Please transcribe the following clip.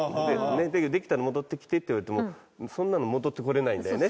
「できたら戻ってきて」って言われてもそんなの戻ってこれないんだよね。